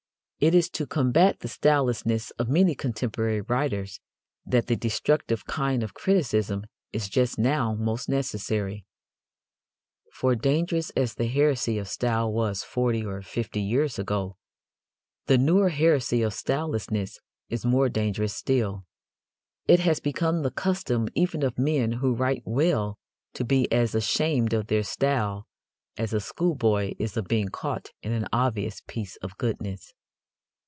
It is to combat the stylelessness of many contemporary writers that the destructive kind of criticism is just now most necessary. For, dangerous as the heresy of style was forty or fifty years ago, the newer heresy of sylelessness is more dangerous still. It has become the custom even of men who write well to be as ashamed of their style as a schoolboy is of being caught in an obvious piece of goodness.